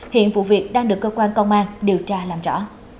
hiện vụ việc đang được cơ quan công an điều tra làm rõ